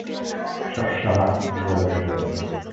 সর শালা বলদপ্রেমী।